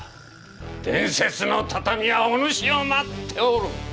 伝説の畳はおぬしを待っておる。